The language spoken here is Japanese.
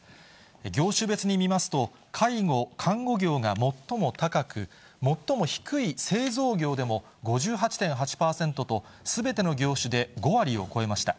業種別に見ますと、介護・看護業が最も高く、最も低い製造業でも５８．８％と、すべての業種で５割を超えました。